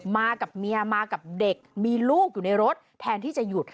มากับเมียมากับเด็กมีลูกอยู่ในรถแทนที่จะหยุด